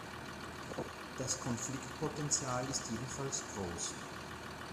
Das Konfliktpotenzial ist jedenfalls groß.